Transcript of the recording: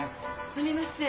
すみません。